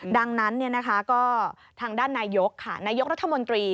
ดังนั้นก็ทางด้านนายกค่ะนายกรัฐมนตรี